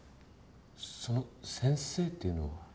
その先生っていうのは。